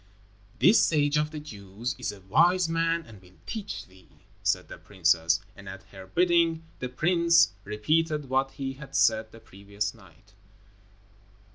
"This sage of the Jews is a wise man and will teach thee," said the princess, and, at her bidding, the prince repeated what he had said the previous night.